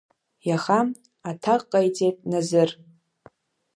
Иаха, аҭак ҟаиҵеит Назыр.